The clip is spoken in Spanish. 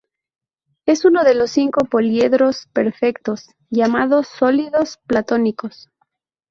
Es uno de los cinco poliedros "perfectos" llamados sólidos platónicos.